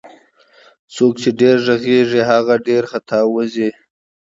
څوک چي ډير ږغږي هغه ډير خطاوزي